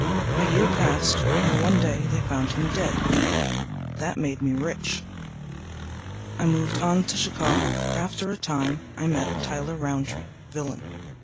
A year passed and one day they found him dead. That made me rich. I moved on to Chicago. After a time met Tyler Rountree, villain.